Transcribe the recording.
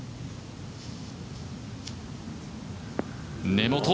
根元！